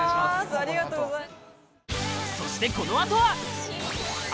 ありがとうございます。